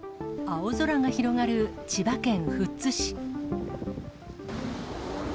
青空が広がる千葉県富津市。